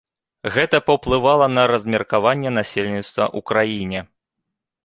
Гэта паўплывала на размеркаванне насельніцтва ў краіне.